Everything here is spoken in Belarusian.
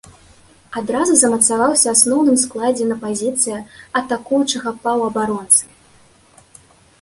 Адразу замацаваўся ў асноўным складзе на пазіцыі атакуючага паўабаронцы.